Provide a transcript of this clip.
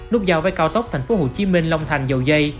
nút giao với cao tốc tp hcm long thành dầu dây